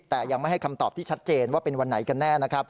แต่ยังไม่ให้คำตอบที่ชัดเจนว่าเป็นวันไหนกันแน่นะครับ